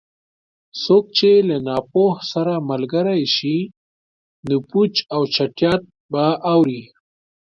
څوک چې له ناپوه سره ملګری شي؛ نو پوچ او چټیات به اوري.